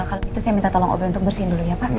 kalau itu saya minta tolong obe untuk bersihin dulu ya pak